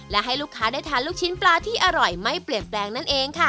และให้ลูกค้าได้ทานลูกชิ้นปลาที่อร่อยไม่เปลี่ยนแปลงนั่นเองค่ะ